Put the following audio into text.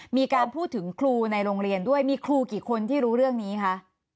มีการพูดถึงครูในโรงเรียนด้วยมีครูกี่คนที่รู้เรื่องนี้คะ